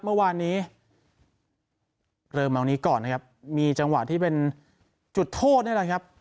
เมื่อวานนี้เริ่มเอานี้ก่อนนะครับมีจังหวะที่เป็นจุดโทษนี่แหละครับ